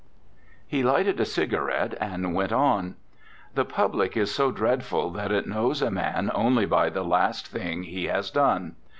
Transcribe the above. He lighted a cigarette and went on: 'The public is so dreadful that it knows a man only by the last thing he has done.